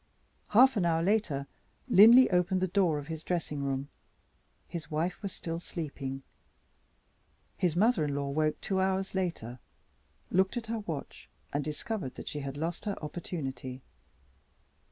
Half an hour later, Linley opened the door of his dressing room. His wife was still sleeping. His mother in law woke two hours later; looked at her watch; and discovered that she had lost her opportunity.